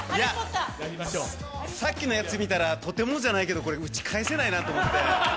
さっきのやつ見たら、とてもじゃないけど打ち返せないなと思って。